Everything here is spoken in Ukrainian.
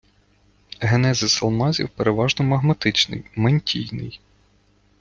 Генезис алмазів переважно магматичний, мантійний.